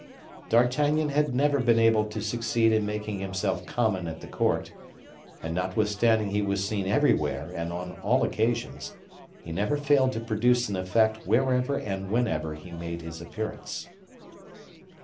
D'Artagnan had never been able to succeed in making himself common at the court; and notwithstanding he was seen everywhere and on all occasions, he never failed to produce an effect wherever and whenever he made his appearance.